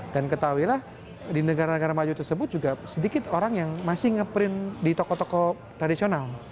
dan ketahui lah di negara negara maju tersebut juga sedikit orang yang masih nge print di toko toko tradisional